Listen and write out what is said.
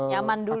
nyaman dulu kan